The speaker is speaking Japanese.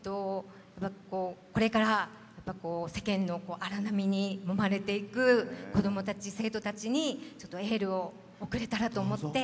これから世間の荒波にもまれていく子供たち、生徒たちにエールを送れたらと思って。